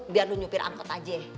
biar nu nyupir angkot aja